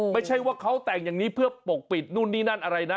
ไม่ใช่ว่าเขาแต่งอย่างนี้เพื่อปกปิดนู่นนี่นั่นอะไรนะ